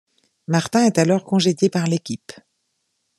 Martin est alors congédié par l'équipe.